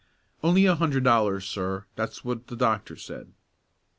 "Only a hundred dollars, sir; that's what the doctor said."